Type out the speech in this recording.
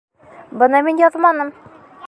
Быны мин яҙманым.